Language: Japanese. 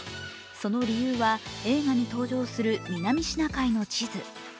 その理由は、映画に登場する南シナ海の地図。